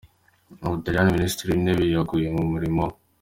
U Butaliyani Minisitiri w’Intebe yeguye ku mirimo ye